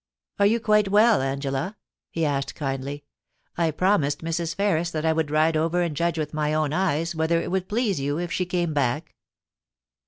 * Are you quite well, Angela ?* he asked kindly. ' I promised Mrs. Ferris that I would ride over and judge with my own eyes whether it would please you if she came back.